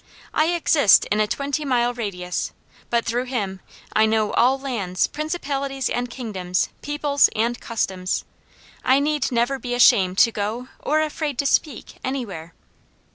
I exist in a twenty mile radius, but through him, I know all lands, principalities and kingdoms, peoples and customs. I need never be ashamed to go, or afraid to speak, anywhere."